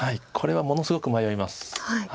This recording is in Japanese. これはものすごく迷います。